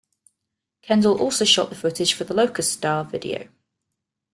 Kendall also shot the footage for the "Locust Star" video.